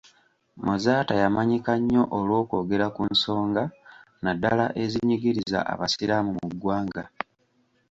Muzaata yamanyika nnyo olw'okwogera ku nsonga naddala ezinyigiriza abasiraamu mu ggwanga.